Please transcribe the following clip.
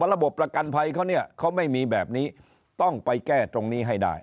ระบบประกันภัยเขาเนี่ยเขาไม่มีแบบนี้ต้องไปแก้ตรงนี้ให้ได้